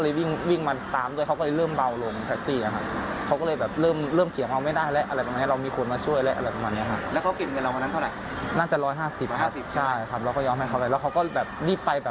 เราก็ยอมให้เขาไปแล้วเขาก็แบบรีบไป